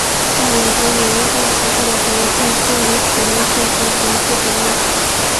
在美国纽约大学获得国际经营学硕士博士学位。